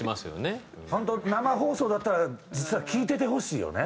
本当生放送だったら実は聴いててほしいよね。